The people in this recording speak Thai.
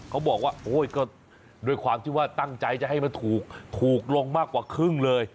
เขาบอกว่าโอ้ยก็ด้วยความที่ว่าตั้งใจจะให้มันถูกถูกลงมากกว่าครึ่งเลย